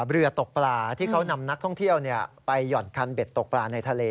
เรือตกปลาที่เขานำนักท่องเที่ยวไปหย่อนคันเบ็ดตกปลาในทะเล